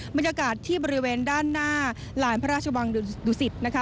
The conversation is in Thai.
บรรยากาศที่บริเวณด้านหน้าหลานพระราชวังดุสิตนะคะ